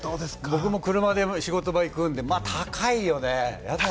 僕も車で仕事場に行くんで、高いよね。